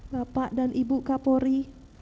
bapak dan ibu kapolri